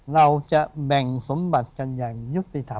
เราจะแบ่งสมบัติกันอย่างยุติธรรม